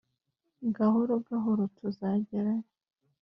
Gahoro gahoro tuzagerayo